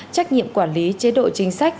trách nhiệm quản lý chế độ chính sách